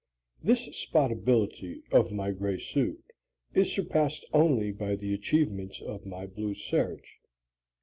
This spotability of my gray suit is surpassed only by the achievements of my blue serge.